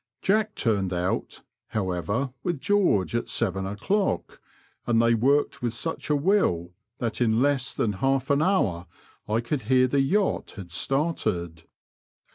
Jack turned out, however, with George, at seven o'clock, and they worked with such a will that in less than half an hour I could hear the yacht had started.